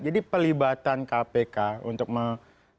jadi pelibatan kpk untuk memilih